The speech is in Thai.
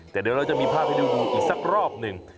แต่เดี๋ยวเราจะมีภาพให้ได้ดูอีกสักรอบหนึ่ง